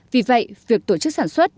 vì vậy việc tổ chức sản xuất